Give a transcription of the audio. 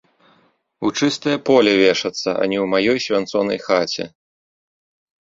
У чыстае поле вешацца, а не ў маёй свянцонай хаце.